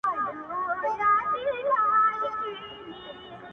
د شپې د راج معراج کي د سندرو ننداره ده;